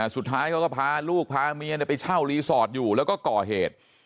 สุดท้ายเขาก็พาลูกพาเมียไปเช่ารีสอร์ทอยู่แล้วก็ก่อเหตุ